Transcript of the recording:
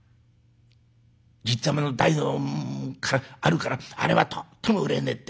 じっちゃまの代からあるからあれはとっても売れねえって。